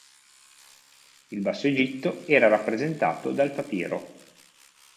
Il Basso Egitto era rappresentato dal papiro.